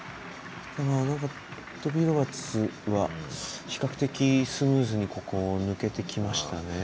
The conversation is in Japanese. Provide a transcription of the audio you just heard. トビー・ロバーツは比較的、スムーズにここを抜けてきましたね。